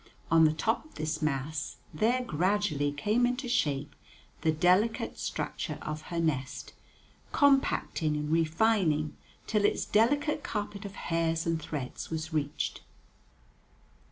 On the top of this mass there gradually came into shape the delicate structure of her nest, compacting and refining till its delicate carpet of hairs and threads was reached.